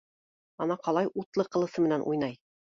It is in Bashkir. Ана ҡалай утлы ҡылысы менән уйнай!